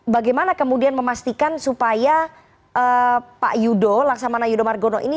bagaimana kemudian memastikan supaya pak yudo laksamana yudho margono ini